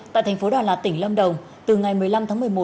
tại thành phố đà lạt tỉnh lâm đồng từ ngày một mươi năm tháng một mươi một